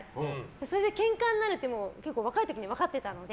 それでけんかになるって若い時に分かってたので。